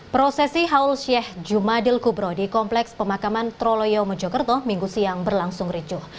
prosesi haul syekh jumadil kubro di kompleks pemakaman troloyo mojokerto minggu siang berlangsung ricuh